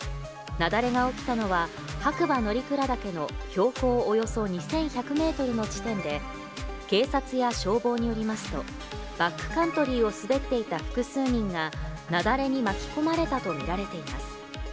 雪崩が起きたのは、白馬乗鞍岳の標高およそ２１００メートルの地点で、警察や消防によりますと、バックカントリーを滑っていた複数人が、雪崩に巻き込まれたと見られています。